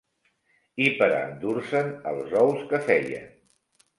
I pera endur-se'n els ous que feien